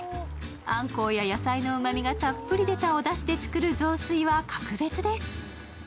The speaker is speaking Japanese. あんこうや野菜のうまみがたっぷり出たおだしで作る雑炊は格別です。